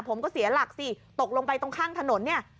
ผมก็เสียหลักสิตกลงไปตรงข้างถนนเนี่ย